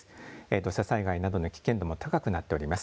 土砂災害などの危険度も高くなっております。